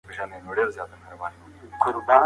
څېړنه د حقایقو موندلو یوه وسيله ده.